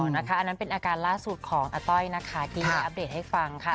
อันนั้นเป็นอาการล่าสุดของอาต้อยนะคะที่ได้อัปเดตให้ฟังค่ะ